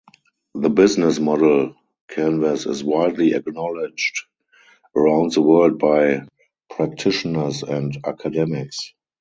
The Business Model Canvas is widely acknowledged around the world by practitioners and academics.